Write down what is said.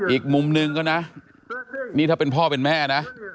อีกมุมหนึ่งก็นะนี่ถ้าเป็นพ่อเป็นแม่นะ